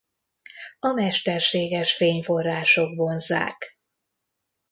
A mesterséges fényforrások vonzzák.